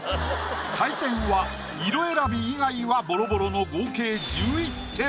採点は色選び以外はボロボロの合計１１点。